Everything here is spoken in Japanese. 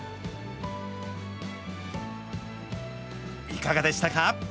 いかがでしたか？